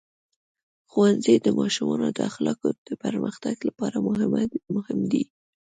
ښوونځی د ماشومانو د اخلاقو د پرمختګ لپاره مهم دی.